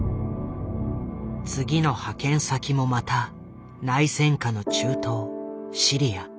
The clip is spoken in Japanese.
次の派遣先もまた内戦下の中東シリア。